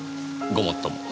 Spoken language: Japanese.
ごもっとも。